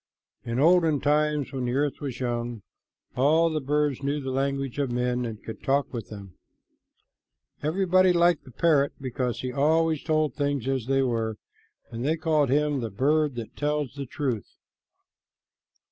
In the olden times when the earth was young, all the birds knew the language of men and could talk with them. Everybody liked the parrot, because he always told things as they were, and they called him the bird that tells the truth.